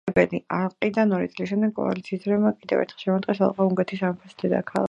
წარუმატებელი ალყიდან ორი წლის შემდეგ, კოალიციის წევრებმა კიდევ ერთხელ შემოარტყეს ალყა უნგრეთის სამეფოს დედაქალაქს.